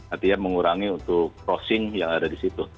artinya mengurangi untuk crossing yang ada di situ